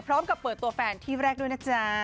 พร้อมกับเปิดตัวแฟนที่แรกด้วยนะจ๊ะ